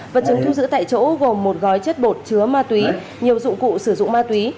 vật chứng thu giữ tại chỗ gồm một gói chất bột chứa ma túy nhiều dụng cụ sử dụng ma túy